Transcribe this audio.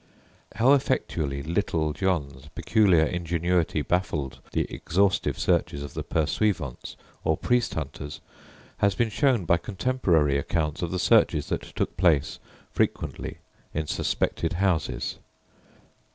How effectually "Little John's" peculiar ingenuity baffled the exhaustive searches of the "pursuivants," or priest hunters, has been shown by contemporary accounts of the searches that took place frequently in suspected houses.